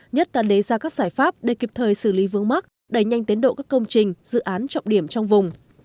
nhất đã lấy ra các giải pháp để kịp thời xử lý vướng mắc đẩy nhanh tiến độ các công trình dự án trọng điểm trong vùng